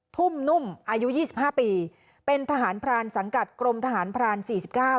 ทุ่มนุ่มอายุยี่สิบห้าปีเป็นทหารพรานสังกัดกรมทหารพรานสี่สิบเก้า